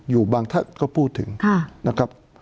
อยู่บางท่านก็พูดถึงนะครับ